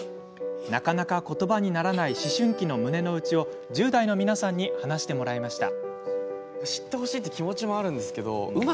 なかなかことばにならない思春期の胸の内を１０代に話してもらいました。